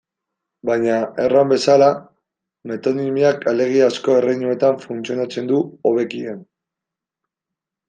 Baina, erran bezala, metonimiak alegiazko erreinuetan funtzionatzen du hobekien.